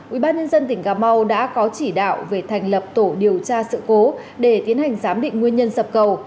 ubnd tỉnh cà mau đã có chỉ đạo về thành lập tổ điều tra sự cố để tiến hành giám định nguyên nhân sập cầu